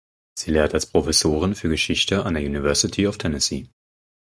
Sie lehrt als Professorin für Geschichte an der University of Tennessee.